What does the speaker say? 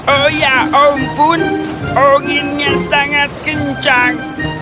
oh ya ampun anginnya sangat kencang